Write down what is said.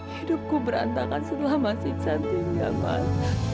hidupku berantakan setelah mas iksan tinggal mas